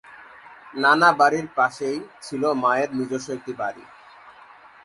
নানা বাড়ির পাশেই ছিলো মায়ের নিজস্ব একটি বাড়ি।